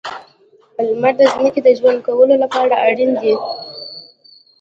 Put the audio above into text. • لمر د ځمکې د ژوند کولو لپاره اړین دی.